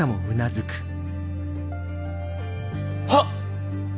はっ。